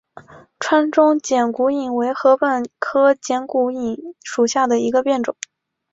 川中剪股颖为禾本科剪股颖属下的一个变种。